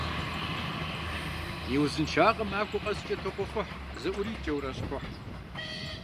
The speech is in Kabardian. И узыншагъэм махуэ къэскӀэ тохъуэхъухь, зыӀурикӀэурэ щхъухь.